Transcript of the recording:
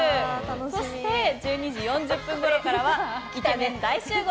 そして、１２時４０分ごろからはイケメン大集合！